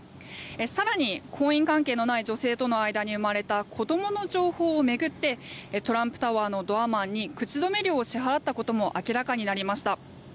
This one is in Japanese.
更に、婚姻関係のない女性との間に生まれた子どもの情報を巡ってトランプタワーのドアマンに口止め料を支払ったことも明らかになりました。